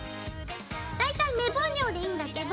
大体目分量でいいんだけど。